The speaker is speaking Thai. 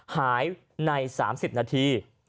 หายใน๓๐นาที